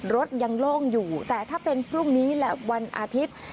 รถยังโล่งอยู่แต่ถ้าเป็นพรุ่งนี้และวันอาทิตย์